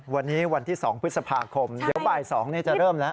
วันนี้วันที่๒พฤษภาคมเดี๋ยวบ่าย๒จะเริ่มแล้ว